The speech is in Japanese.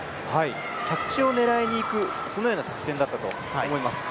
着地を狙いにいくそのような作戦だったと思います。